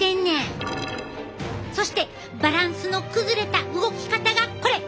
そしてバランスの崩れた動き方がこれ！